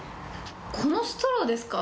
このストローですか？